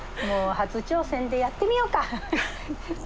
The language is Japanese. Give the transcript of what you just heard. もう初挑戦でやってみようか！